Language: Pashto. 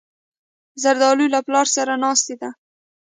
زردالو له پلار سره ناستې ده.